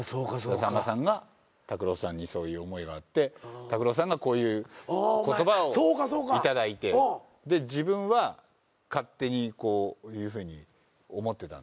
さんまさんが拓郎さんにそういう思いがあって拓郎さんからこういう言葉を頂いてで自分は勝手にこういうふうに思ってたんで。